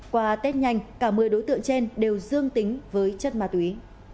qua tết nhanh cả một mươi đối tượng trên đều dương tính với chất ma túy